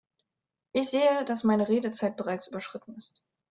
Ich sehe, dass meine Redezeit bereits überschritten ist.